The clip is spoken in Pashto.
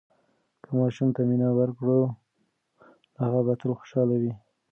که ماشوم ته مینه ورکړو، نو هغه به تل خوشحاله وي.